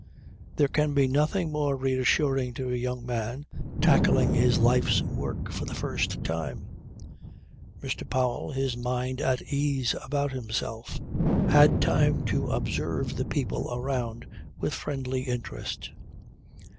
There can be nothing more reassuring to a young man tackling his life's work for the first time. Mr. Powell, his mind at ease about himself, had time to observe the people around with friendly interest.